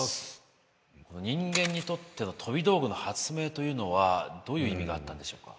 人間にとっての飛び道具の発明というのはどういう意味があったんでしょうか？